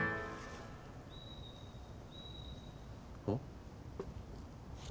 あっ。